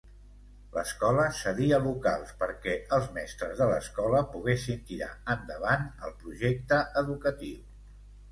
L'escola cedia locals perquè els mestres de l'escola poguessin tirar endavant el projecte educatiu.